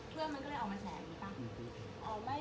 พี่เยินเค้าก็เรากำแสอย่างนี้บ่